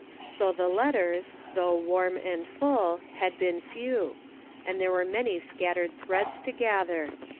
So the letters, though warm and full, had been few, and there were many scattered threads to gather.